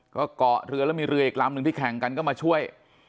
ก็เกาะเรือแล้วมีเรืออีกลำหนึ่งที่แข่งกันก็มาช่วย